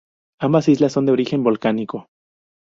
Ambas islas son de origen volcánico.